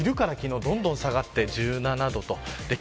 昼から昨日どんどん下がって１７度と。